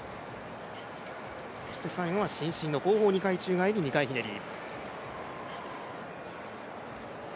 そして最後は伸身の後方宙返り２回ひねり。